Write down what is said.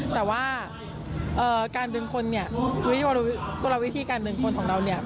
แต่ว่าการดึงคนเนี่ยกลวิธีการดึงคนของเราเนี่ย